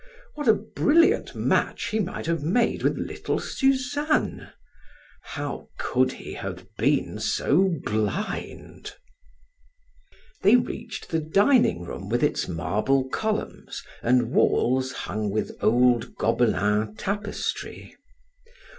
What a brilliant match he might have made with little Suzanne! How could he have been so blind? They reached the dining room with its marble columns and walls hung with old Gobelins tapestry.